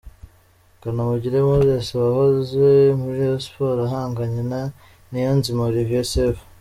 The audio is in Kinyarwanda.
Kanamugire Moses wahoze muri Rayon Sports ahanganye na Niyonzima Olivier Sefu.